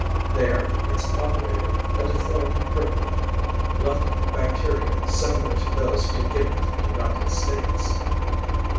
There its operator, a deformed cripple, left bacteria similar to those he had given to the United States.